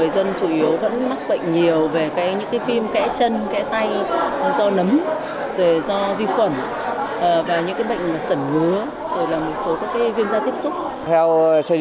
rồi là một số các viêm da tiếp xúc